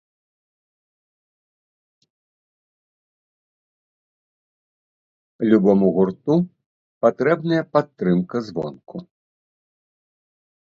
Любому гурту патрэбная падтрымка звонку.